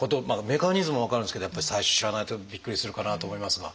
メカニズムは分かるんですけどやっぱり最初は知らないとびっくりするかなと思いますが。